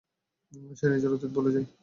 সে নিজের অতীত ভুলে যায়।